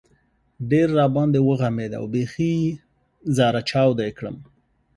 ډېر را باندې وغمېد او بېخي زهره چاودی کړم.